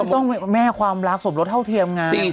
ต้องแม่ความรักสมรสเท่าเทียมไง